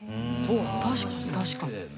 確かに確かに。